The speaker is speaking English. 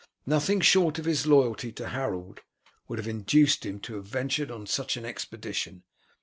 Nothing short of his loyalty to Harold would have induced him to have ventured on such an expedition.